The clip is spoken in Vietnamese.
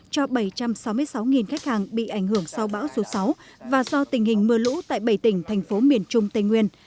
cho bảy trăm sáu mươi sáu khách hàng bị ảnh hưởng sau bão số sáu và do tình hình mưa lũ tại bảy tỉnh thành phố miền trung tây nguyên